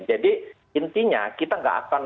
jadi intinya kita tidak akan